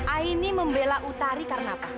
aini membela utari karena apa